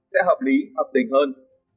sẽ hợp lý hợp tình hơn